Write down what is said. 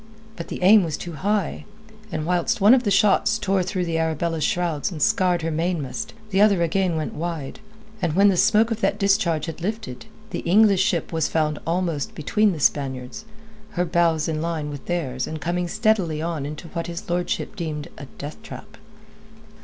But the aim was too high, and whilst one of the shots tore through the Arabella's shrouds and scarred her mainmast, the other again went wide. And when the smoke of that discharge had lifted, the English ship was found almost between the Spaniards, her bows in line with theirs and coming steadily on into what his lordship deemed a death trap.